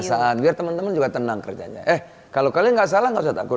saat biar teman teman juga tenang kerjanya eh kalau kalian nggak salah nggak usah takut